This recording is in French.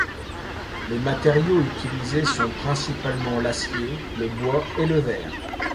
Les matériaux utilisés sont principalement l'acier, le bois et le verre.